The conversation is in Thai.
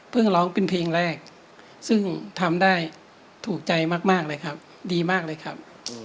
ร้องเป็นเพลงแรกซึ่งทำได้ถูกใจมากเลยครับดีมากเลยครับ